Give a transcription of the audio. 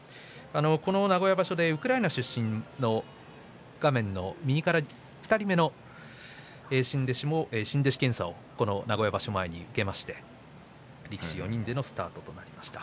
この名古屋場所でウクライナ出身画面右から２人目新弟子検査を名古屋場所前に受けまして力士４人でのスタートとなりました。